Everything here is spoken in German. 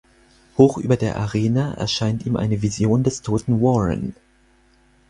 Hoch über der Arena erscheint ihm eine Vision des toten Warren.